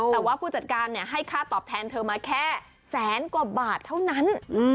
แต่ว่าผู้จัดการให้ค่าตอบแทนเธอมาแค่แสนกว่าบาทเท่านั้น